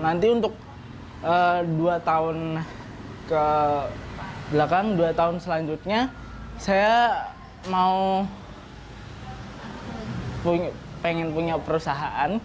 nanti untuk dua tahun ke belakang dua tahun selanjutnya saya mau pengen punya perusahaan